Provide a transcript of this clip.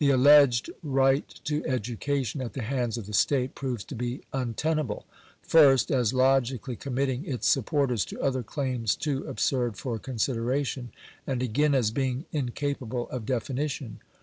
alleged right to education at the hands of the state proves to be untenable ; first, as logically committing its supporters to other claims too absurd for consideration ; and again, as being inca pable of definition.